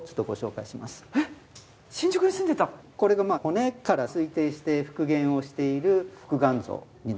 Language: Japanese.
これがまあ骨から推定して復元をしている復顔像になります。